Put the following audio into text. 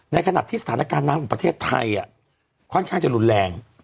ในขณะที่สถานการณ์น้ำของประเทศไทยค่อนข้างจะรุนแรง